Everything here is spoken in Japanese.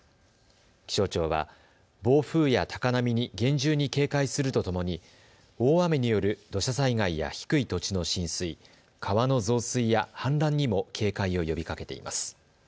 気象庁は暴風や高波に厳重に警戒するとともに大雨による土砂災害や低い土地の浸水、川の増水や氾濫にも警戒を呼びかけています。